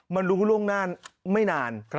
มันรุ่งนานไม่นาน